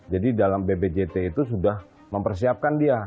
jadi dalam bpjt itu sudah mempersiapkan dia